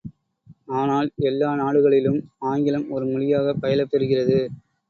ஆனால் எல்லா நாடுகளிலும் ஆங்கிலம் ஒரு மொழியாகப் பயிலப்பெறுகிறது.